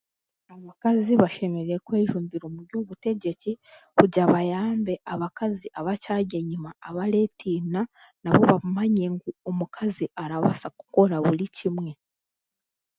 Abakazi bashemereirwe kwejumbira omu byobutegyeki kugira bayambe abakazi abakyari enyima abareetiina nabo bamanye omukazi arabaasa kukora buri kimwe.